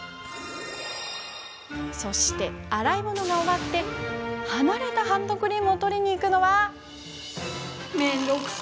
洗い物が終わって離れたハンドクリームを取りに行くのは。